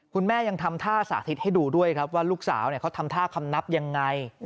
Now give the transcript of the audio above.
คุณแม่ยังทำท่าสาธิตให้ดูด้วยครับว่าลูกสาวเขาทำท่าคำนับยังไง